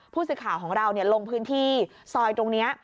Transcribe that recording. ผู้สื่อข่าวของเราลงพื้นที่ซอยตรงนี้